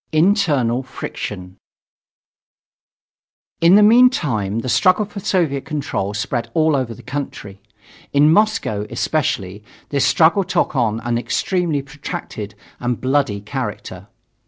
INTERNAL FRICTION In the meantime, the struggle for Soviet control spread all over the country. In Moscow, especially, this struggle took on an extremely protracted and bloody character.